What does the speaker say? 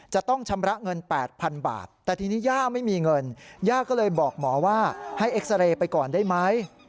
จะต้องชำระเงิน๘๐๐๐บาทแต่ทีนี้ย่าไม่มีเงินย่าก็เลยบอกหมอว่าให้เอ็กซาเรย์ไปก่อนได้ไหม